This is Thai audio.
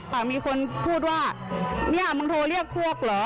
แต่มีคนพูดว่าเนี่ยมึงโทรเรียกพวกเหรอ